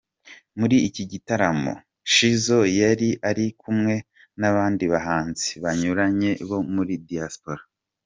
Muri iki gitaramo, Shizzo yari ari kumwe n'abandi bahanzi banyuranye bo muri Diaspora.